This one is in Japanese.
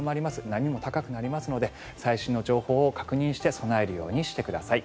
波も高くなりますので最新の情報を確認して備えるようにしてください。